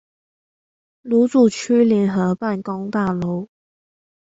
蘆竹區聯合辦公大樓